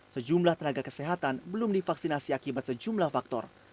sejumlah tenaga kesehatan belum divaksinasi akibat sejumlah faktor